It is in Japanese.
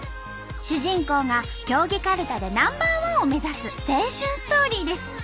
主人公が競技かるたでナンバーワンを目指す青春ストーリーです。